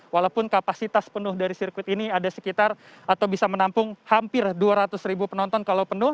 walaupun kapasitas penuh dari sirkuit ini ada sekitar atau bisa menampung hampir dua ratus ribu penonton kalau penuh